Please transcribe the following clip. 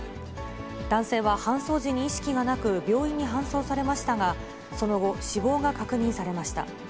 男性は搬送時に意識がなく、病院に搬送されましたが、その後、死亡が確認されました。